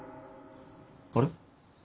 あれ？